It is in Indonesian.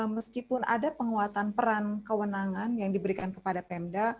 meskipun ada penguatan peran kewenangan yang diberikan kepada pemda